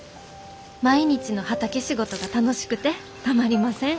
毎日の畑仕事が楽しくてたまりません」。